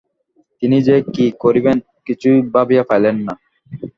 তিনি যে কী করিবেন কিছুই ভাবিয়া পাইলেন না।